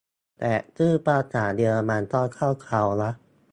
แต่ชื่อภาษาเยอรมันก็เข้าเค้านะ